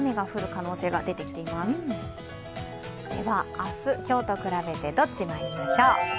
明日、今日と比べてどっち、まいりましょう。